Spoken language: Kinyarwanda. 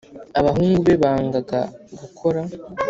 Abahungu be bangaga gukora.